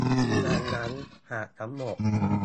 ดังนั้นหากทั้งหมด